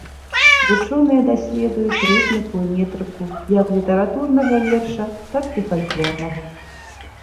Вучоныя даследуюць рытміку і метрыку як літаратурнага верша, так і фальклорнага.